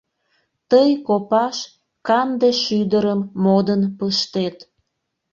Тый копаш канде шӱдырым модын пыштет.